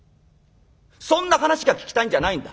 そんな話が聞きたいんじゃないんだ。